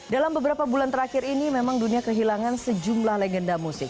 dalam beberapa bulan terakhir ini memang dunia kehilangan sejumlah legenda musik